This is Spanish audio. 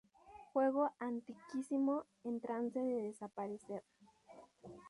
Juego antiquísimo, en trance de desaparecer.